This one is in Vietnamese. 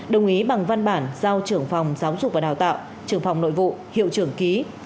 đồng ý bằng văn bản giao trưởng phòng giáo dục và đào tạo trưởng phòng nội vụ hiệu trưởng ký